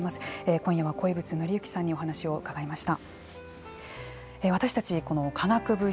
今夜は鯉淵典之さんにお話を伺いました。